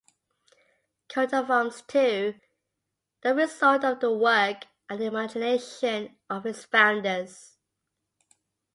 Coat of arms, too, the result of the work and imagination of its founders.